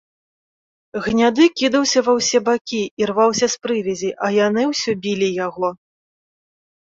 Гняды кідаўся ва ўсе бакі, ірваўся з прывязі, а яны ўсё білі яго.